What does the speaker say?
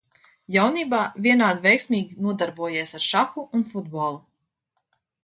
Jaunībā vienādi veiksmīgi nodarbojies ar šahu un futbolu.